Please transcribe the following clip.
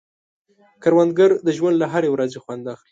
کروندګر د ژوند له هرې ورځې خوند اخلي